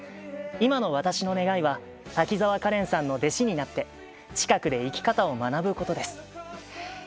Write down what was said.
今の私の願いは滝沢カレンさんの弟子になって近くで生き方を学ぶことです。」